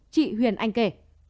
chị huyền anh kể